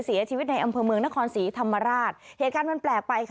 เสียชีวิตในอำเภอเมืองนครศรีธรรมราชเหตุการณ์มันแปลกไปค่ะ